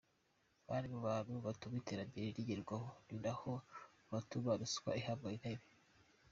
Bari mu bantu batuma iterambere ritagerwaho ni no mubatuma ruswa ihabwa intebe.